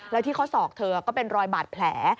แล้วที่ข้อศอกเธอก็เป็นรอยบาดแผล